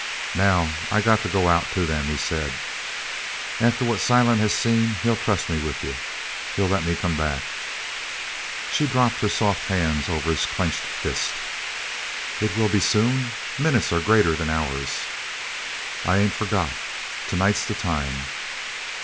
"Now I got to go out to them," he said. "After what Silent has seen he'll trust me with you. He'll let me come back." She dropped her soft hands over his clenched fist. "It will be soon? Minutes are greater than hours." "I ain't forgot. Tonight's the time."